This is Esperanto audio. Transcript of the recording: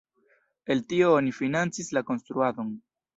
El tio oni financis la konstruadon.